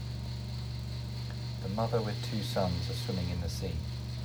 The mother with two son are swimming in the sea.